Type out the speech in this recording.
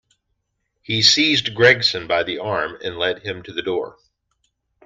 He seized Gregson by the arm and led him to the door.